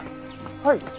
はい。